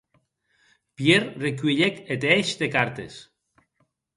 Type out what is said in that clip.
Pierre recuelhec eth hèish de cartes.